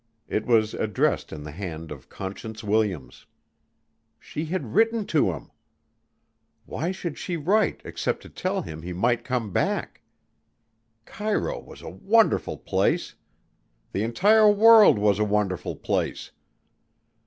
It was addressed in the hand of Conscience Williams. She had written to him! Why should she write except to tell him he might come back? Cairo was a wonderful place! The entire world was a wonderful place!